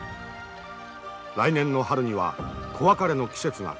来年の春には子別れの季節が来る。